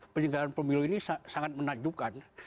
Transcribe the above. penyelenggaraan pemilu ini sangat menakjubkan